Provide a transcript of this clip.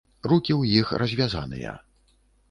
Рукі ў іх развязаныя.